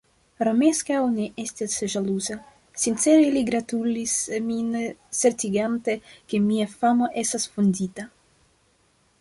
Romeskaŭ ne estis ĵaluza; sincere li gratulis min, certigante, ke mia famo estas fondita.